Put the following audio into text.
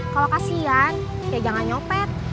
kalau kasian ya jangan nyopet